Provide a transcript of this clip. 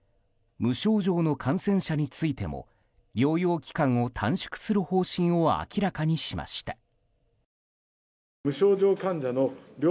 無症状の感染者についても療養期間を短縮する方針を明らかにしました。